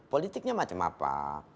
politiknya macam apa